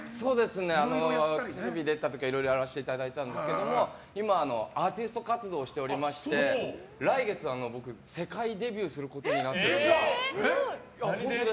テレビに出たりいろいろやらせていただいてるんですが今はアーティスト活動をしておりまして来月、世界デビューすることになってるんです。